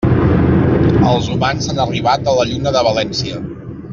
Els humans han arribat a la Lluna de València.